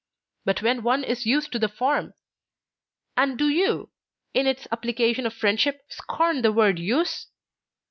But when one is used to the form! And do you, in its application to friendship, scorn the word 'use'?